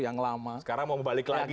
yang lama sekarang mau balik lagi